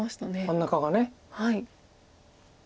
真ん中が。